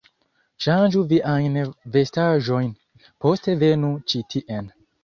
Ŝanĝu viajn vestaĵojn, poste venu ĉi tien